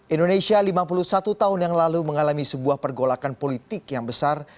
indonesia lima puluh satu tahun yang lalu mengalami sebuah pergolakan politik yang besar